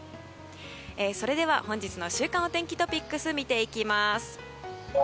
それでは本日の週間お天気トピックス、見ていきます。